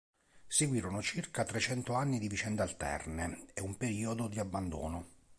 Seguirono circa trecento anni di vicende alterne e un periodo di abbandono.